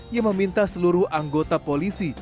yang meminta seluruh anggota polisi